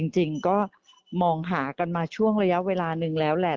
จริงก็มองหากันมาช่วงระยะเวลานึงแล้วแหละ